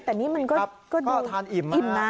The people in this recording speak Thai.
แต่นี่มันก็ดูอิ่มนะ